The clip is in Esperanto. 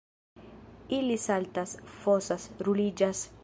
Ili saltas, fosas, ruliĝas.